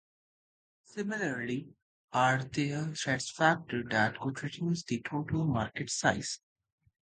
Similarly, are there threat factors that could reduce the total market size.